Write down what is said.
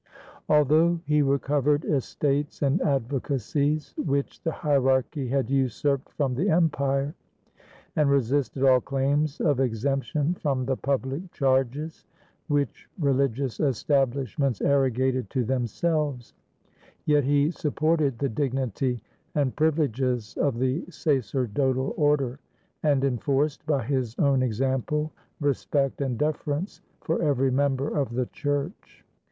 Although he recovered estates and advocacies which the hierarchy had usurped from the Empire, and resisted all claims of exemption from the public charges, which religious establishments arrogated 265 AUSTRIA HUNGARY to themselves, yet he supported the dignity and privi leges of the sacerdotal order, and enforced, by his own example, respect and deference for every member of the Church.